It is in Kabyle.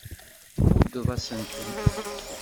Tmuddeḍ-asent-ten.